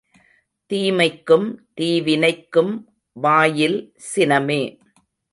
தீமைக்கும் தீவினைக்கும் வாயில் சினமே!